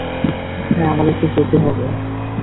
হ্যাঁঁ, আমাদেরকে যেতে হবে।